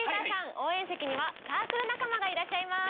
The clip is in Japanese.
応援席にはサークル仲間がいらっしゃいます。